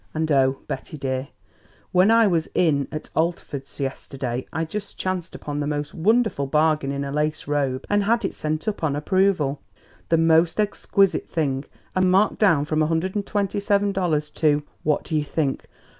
And, oh, Betty dear, when I was in at Altford's yesterday I just chanced upon the most wonderful bargain in a lace robe, and had it sent up on approval. The most exquisite thing, and marked down from a hundred and twenty seven dollars to what do you think?